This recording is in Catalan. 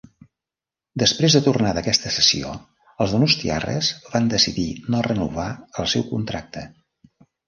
Després de tornar d'aquesta cessió, els donostiarres van decidir no renovar el seu contracte.